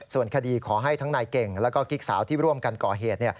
ส่วนคดีขอให้ทั้งนายเก่งแล้วก็กิ๊กสาวที่ร่วมกันก่อเหตุ